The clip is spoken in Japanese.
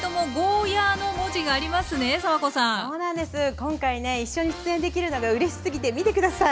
今回ね一緒に出演できるのがうれしすぎて見てください。